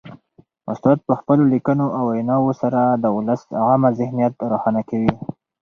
استاد په خپلو لیکنو او ویناوو سره د ولس عامه ذهنیت روښانه کوي.